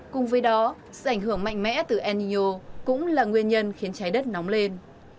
cùng với đó sự ảnh hưởng mạnh mẽ từ enio cũng là nguyên nhân khiến trái đất nóng lên